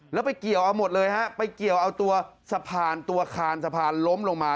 แล้วไปเกี่ยวเอาหมดเลยฮะไปเกี่ยวเอาตัวสะพานตัวคานสะพานล้มลงมา